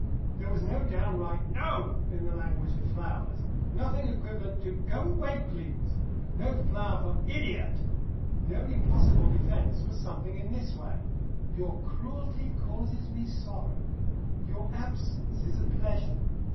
There was no downright "No!" in the language of flowers, nothing equivalent to "Go away, please," no flower for "Idiot!" The only possible defence was something in this way: "Your cruelty causes me sorrow," "Your absence is a pleasure."